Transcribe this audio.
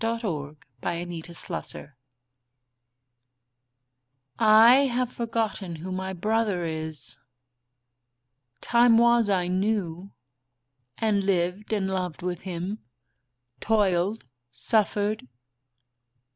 AT EASE ON LETHE WHARF.*^ I have forgotten who my brother is. Time was I knew, and lived and loved with him; Toiled, suffered.